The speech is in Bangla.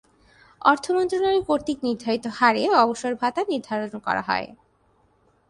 অর্থ মন্ত্রণালয় কর্তৃক নির্ধারিত হারে অবসরভাতা নির্ধারণ করা হয়।